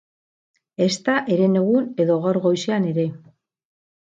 Ezta herenegun edo gaur goizean ere.